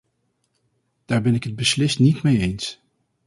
Daar ben ik het beslist niet mee eens.